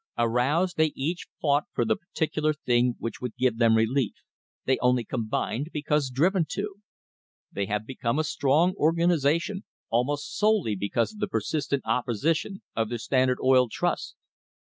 Aroused, they each fought for the particular thing which would give them relief. They only combined because driven to. They have become a strong organisation almost solely because of the persistent opposi tion of the Standard Oil Trust.